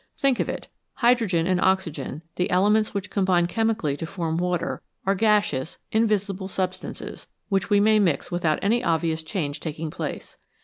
Think of it. Hydrogen and oxygen, the elements which combine chemically to form water, are gaseous, invisible substances which we may mix without any obvious change taking place.